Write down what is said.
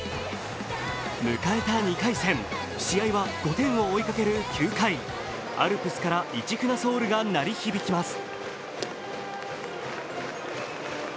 迎えた２回戦、試合は５点を追いかける９回、アルプスから「市船ｓｏｕｌ」が鳴り響きます。